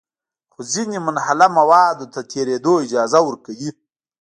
خو ځینې منحله موادو ته د تېرېدو اجازه ورکوي.